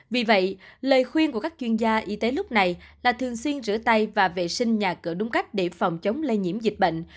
vì vậy lời khuyên của các chuyên gia y tế lúc này là thường xuyên rửa tay và vệ sinh nhà cửa đúng cách để phòng chống lây nhiễm dịch bệnh